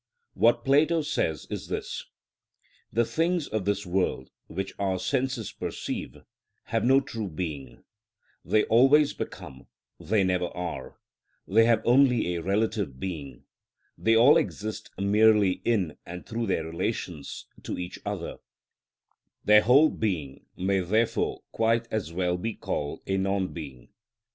What Plato says is this:—"The things of this world which our senses perceive have no true being; they always become, they never are: they have only a relative being; they all exist merely in and through their relations to each other; their whole being may, therefore, quite as well be called a non being.